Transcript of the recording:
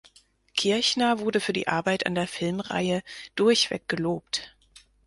Kirchner wurde für die Arbeit an der Filmreihe durchweg gelobt.